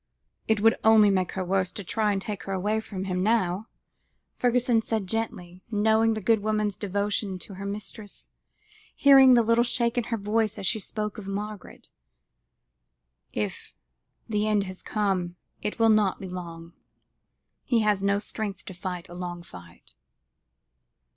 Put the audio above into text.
"It would only make her worse to try and take her away from him now," Fergusson said gently, knowing the good woman's devotion to her mistress, hearing the little shake in her voice as she spoke of Margaret; "if the end has come, it will not be long; he has no strength to fight a long fight."